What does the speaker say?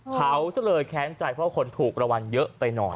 เผาเสลอแค้นใจเพราะคนถูกระวังเยอะไปนอน